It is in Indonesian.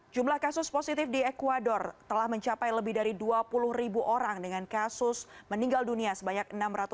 jumlah kasus positif di ecuador telah mencapai lebih dari dua puluh ribu orang dengan kasus meninggal dunia sebanyak enam ratus tiga puluh